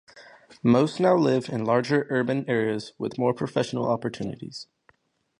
Most now live in larger urban areas with more professional opportunities.